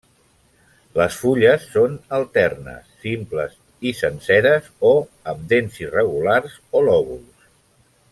Les fulles són alternes, simples i senceres o amb dents irregulars o lòbuls.